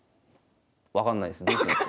分かんないです。